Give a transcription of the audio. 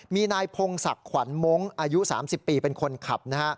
มีนายพงศักดิ์ขวัญมงค์อายุ๓๐ปีเป็นคนขับ